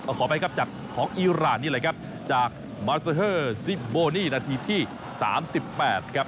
เอาขอไปครับจากของอิรานนี่เลยครับจากมาสซาฮิร์ซิบโบนี่นาทีที่๓๘กับ